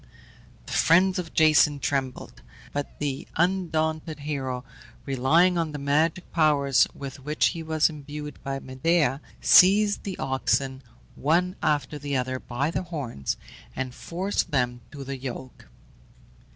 The friends of Jason trembled; but the undaunted hero, relying on the magic powers with which he was imbued by Medea, seized the oxen, one after the other, by the horns, and forced them to the yoke.